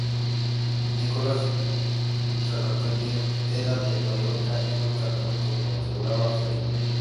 Según Nicolás Antonio era de Mallorca y no catalán, como asegura Feliu.